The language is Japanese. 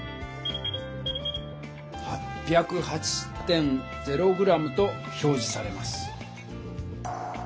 ８０８．０ｇと表じされます。